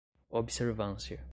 observância